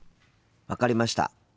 分かりました。